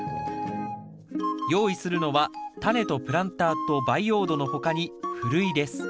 用意するのはタネとプランターと培養土の他にふるいです。